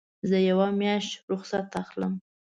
زه یوه میاشت رخصت اخلم.